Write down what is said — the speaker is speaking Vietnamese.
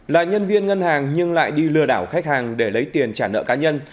là nhân viên ngân hàng nhưng lại đi lừa đảo khách hàng để lấy tiền trả nợ cá nhân